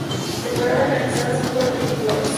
Temporadas realizadas por Dreamworks.